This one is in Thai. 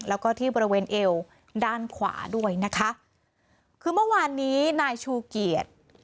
แล้วก็ที่บริเวณเอวด้านขวาด้วยนะคะคือเมื่อวานนี้นายชูเกียรติ